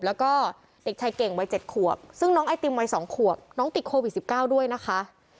แล้วก็เด็กชายเก่งวัย๗ขวบซึ่งน้องไอติมวัย๒ขวบน้องติดโควิด๑๙ด้วยนะคะ